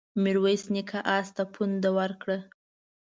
ميرويس نيکه آس ته پونده ورکړه.